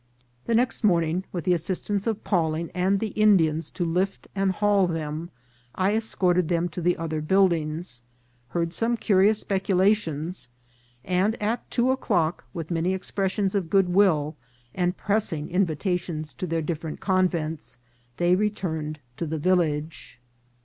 t?) .$£•'•' The next morning, with the assistance of Pawling and the Indians to lift and haul them, I escorted them to the other buildings, heard some curious speculations, and at two o'clock, with many expressions of good will, and pressing invitations to their different convents, they returned to the village.